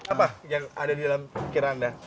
apa yang ada di dalam pikiran anda